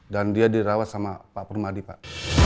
dan dia dirawat sama pak permadi pak